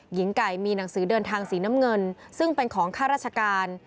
หญิงไก่มีหนังสือเดินทางสีน้ำเงินซึ่งเป็นของข้าราชการ